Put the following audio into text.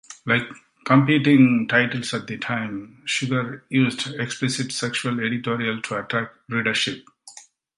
Like competing titles at the time, "Sugar" used explicit sexual editorial to attract readership.